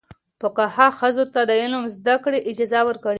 فقهاء ښځو ته د علم زده کړې اجازه ورکړې ده.